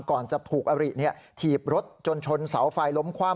ก่อนจะถูกอริถีบรถจนชนเสาไฟล้มคว่ำ